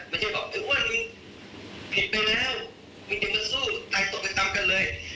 ไม่ใช่บอกถึงว่ามึงผิดไปแล้วมึงจะมาสู้ตายตกไปตามกันเลย